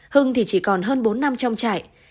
hưng thì chỉ còn hơn bốn năm trong trại